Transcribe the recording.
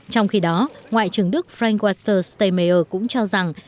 trong khi đó ngoại trưởng đức frank walter steymer cũng cho rằng